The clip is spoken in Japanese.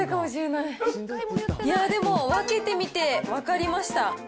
いやー、でも、分けてみて分かりました。